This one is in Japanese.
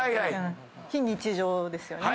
非日常ですよね。